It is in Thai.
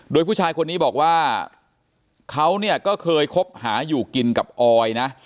โดยผู้ชายคนนี้บอกว่าเขาก็เคยคบหาอยู่กินกับออยนะ